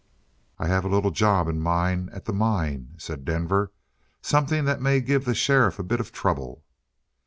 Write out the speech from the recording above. "I have a little job in mind at the mine," said Denver. "Something that may give the sheriff a bit of trouble."